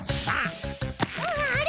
あれ？